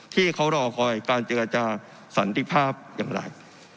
ที่เขารอคอยการเจรจาสันติภาพอย่างไร